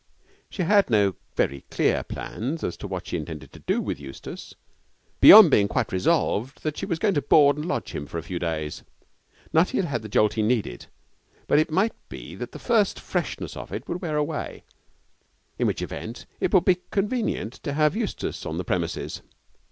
She had no very clear plans as to what she intended to do with Eustace, beyond being quite resolved that she was going to board and lodge him for a few days. Nutty had had the jolt he needed, but it might be that the first freshness of it would wear away, in which event it would be convenient to have Eustace on the premises.